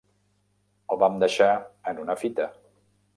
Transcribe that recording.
El vam deixar en una fita.